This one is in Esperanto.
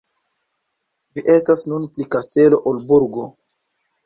Ĝi estas nun pli kastelo ol burgo.